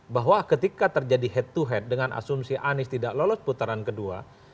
bahwa ketika terjadi head to head dengan asumsi anies tidak lolos putaran kedua